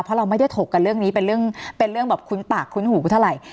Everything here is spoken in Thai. เพราะเราไม่ได้ถกกันเรื่องนี้เป็นเรื่องแบบคุ้นปากคุ้นหูเท่าไหร่